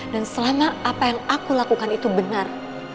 dan selama apa yang aku lakukan itu benar